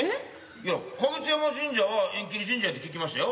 いや花月山神社は縁切り神社って聞きましたよ。